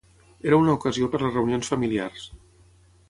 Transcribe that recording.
Era una ocasió per les reunions familiars.